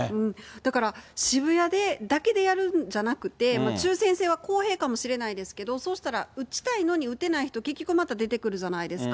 だから、渋谷で、だけでやるんじゃなくて、抽せん制は公平かもしれないですけれども、そうしたら打ちたいのに打てない人、結局また出てくるじゃないですか、